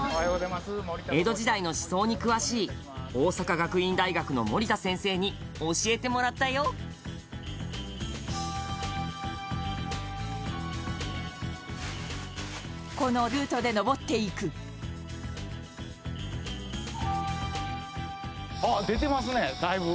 江戸時代の思想に詳しい大阪学院大学の森田先生に教えてもらったよこのルートで上っていく森田さん：出てますね、だいぶ。